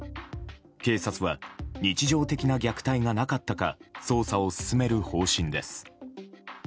警察は日常的な虐待がなかったか捜査を進める方針です。